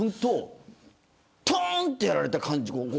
とーんってやられた感じ。